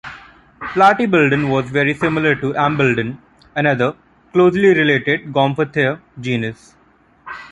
"Platybelodon" was very similar to "Amebelodon", another, closely related gomphothere genus.